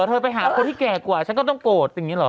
เธอไปหาคนที่แก่กว่าฉันก็ต้องโกรธอย่างนี้เหรอ